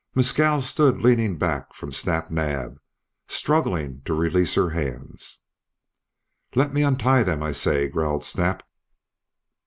Mescal stood leaning back from Snap Naab, struggling to release her hands. "Let me untie them, I say," growled Snap.